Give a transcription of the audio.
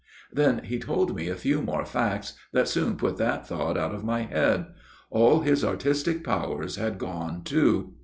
" Then he told me a few more facts that soon put that thought out of my head. All his artistic powers had gone too.